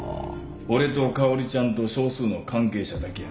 俺と香織ちゃんと少数の関係者だけやな。